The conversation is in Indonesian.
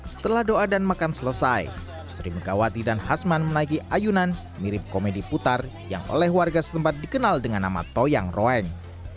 setelah doa dan makan selesai sri megawati dan hasman menaiki ayunan mirip komedi putar yang oleh warga setempat dikenal dengan nama toyang roen